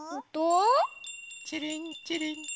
ちりんちりん。